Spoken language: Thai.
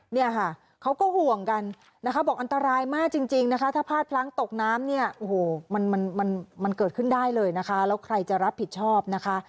เนี่ยค่ะเขาก็ห่วงกันนะคะบอกอันตรายมากจริงนะคะถ้าพลาดพลั้งตกน้ำเนี่ยโอ้โหมันมันเกิดขึ้นได้เลยนะคะแล้วใครจะรับผิดชอบนะคะ